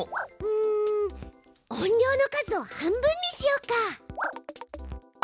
ん音量の数を半分にしようか。